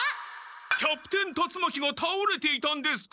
キャプテン達魔鬼がたおれていたんですか！？